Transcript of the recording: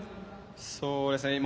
そうですね